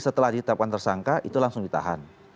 setelah ditetapkan tersangka itu langsung ditahan